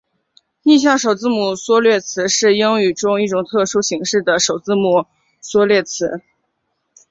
逆向首字母缩略词是英语中一种特殊形式的首字母缩略词。